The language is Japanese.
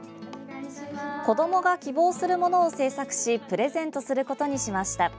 子どもが希望するものを制作しプレゼントすることにしました。